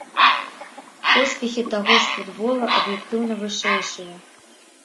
Поспехі таго ж футбола аб'ектыўна вышэйшыя.